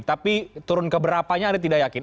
tapi turun keberapanya anda tidak yakin